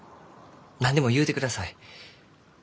何でも言うてください。